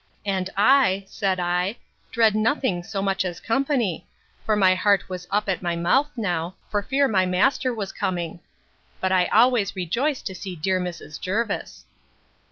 And I, said I, dread nothing so much as company; for my heart was up at my mouth now, for fear my master was coming. But I always rejoice to see dear Mrs. Jervis.